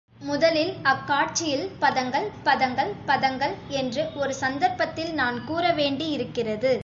முதலில், அக்காட்சியில் பதங்கள், பதங்கள், பதங்கள்! என்று ஒரு சந்தர்ப்பத்தில் நான் கூற வேண்டியிருக்கிறது.